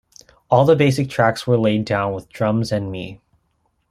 All the basic tracks were laid down with drums and me.